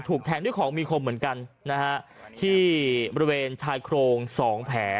ถูกแทงด้วยของมีคมเหมือนกันที่บริเวณชายโครง๒แผล